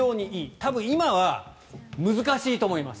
多分今は難しいと思います。